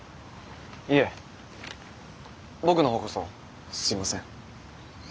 いえ僕の方こそすいません。